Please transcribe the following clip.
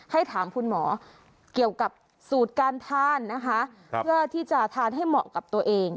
ให้ถามคุณหมอเกี่ยวกับสูตรการทานนะคะเพื่อที่จะทานให้เหมาะกับตัวเอง